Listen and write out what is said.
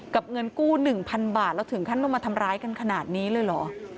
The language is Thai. เงินกู้๑๐๐๐บาทแล้วถึงขั้นต้องมาทำร้ายกันขนาดนี้เลยเหรอ